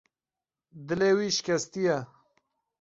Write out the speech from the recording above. Dilê wî şikestî ye.